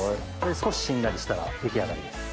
少ししんなりしたら出来上がりです。